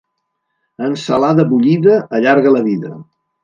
Ensalada bullida allarga la vida.